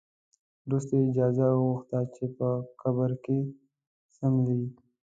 وروسته یې اجازه وغوښته چې په قبر کې څملي.